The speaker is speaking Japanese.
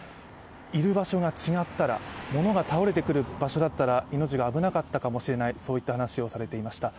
いる場所が違ったら、ものが倒れてくる場所だったら命が危なかったかもしれないといった話をされていました。